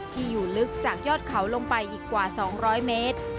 อยู่ลึกจากยอดเขาลงไปอีกกว่า๒๐๐เมตร